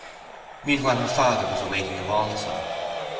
Meanwhile her father was awaiting him also.